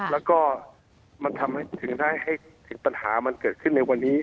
แล้วก็มันทำให้ถึงได้ให้ถึงปัญหามันเกิดขึ้นในวันนี้